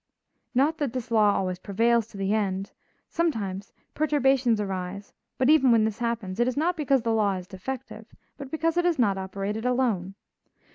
Not that this law always prevails to the end; sometimes, perturbations arise, but, even when this happens, it is not because the law is defective, but because it has not operated alone.